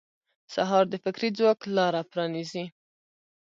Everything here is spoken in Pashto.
سهار د فکري ځواک لاره پرانیزي.